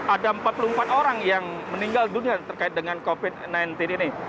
ada empat puluh empat orang yang meninggal dunia terkait dengan covid sembilan belas ini